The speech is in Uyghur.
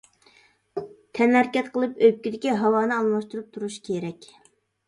تەنھەرىكەت قىلىپ ئۆپكىدىكى ھاۋانى ئالماشتۇرۇپ تۇرۇش كېرەك.